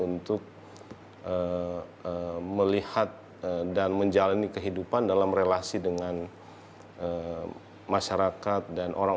untuk melihat dan menjalani kehidupan dalam relasi dengan masyarakat dan orang